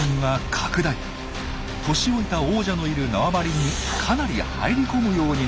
年老いた王者のいる縄張りにかなり入り込むようになっていきました。